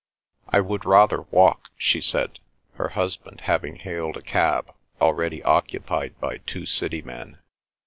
"I would rather walk," she said, her husband having hailed a cab already occupied by two city men.